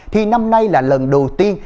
thì năm nay là lần đầu tiên